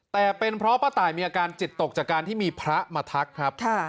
แต่เป็นเพราะป้าตายมีอาการจิตตกจากการที่มีพระมาทักครับ